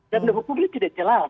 jaminan hukumnya tidak jelas